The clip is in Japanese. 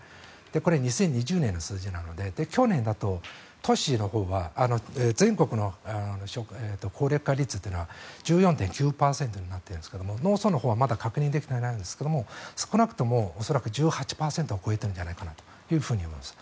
これ、２０２０年の数字なので去年だと、都市のほうは全国の高齢化率は１４．９％になっているんですが農村はまだ確認できていませんが少なくとも、恐らく１８％は超えていると思います。